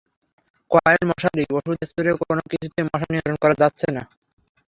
Coil, মশারি, ওষুধ spray কোনো কিছুতেই মশা নিয়ন্ত্রণ করা যাচ্ছে না।